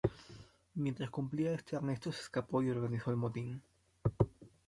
Mientras cumplía este arresto se escapó y organizó el motín.